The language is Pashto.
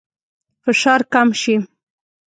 فشار کم شي.